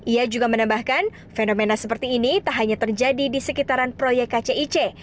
ia juga menambahkan fenomena seperti ini tak hanya terjadi di sekitaran proyek kcic